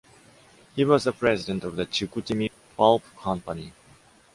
He was the President of the Chicoutimi Pulp Company.